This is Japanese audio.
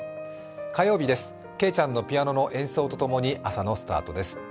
火曜日です、ケイちゃんのピアノの演奏とともに朝のスタートです。